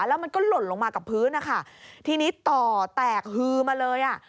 แล้วมันก็หล่นลงมากับพื้นนะคะทีนี้ต่อแตกฮือมาเลยอ่ะ